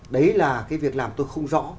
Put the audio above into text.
đấy là cái việc làm tôi không rõ